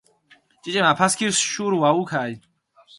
ჭიჭე მაფასქირს შური ვაუქალჷ.